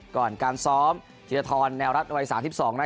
ก่อนการซ้อมธีรธรแนวรัฐวัยศาสตร์ที่๒นะครับ